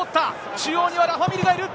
中央にはラファ・ミールがいる。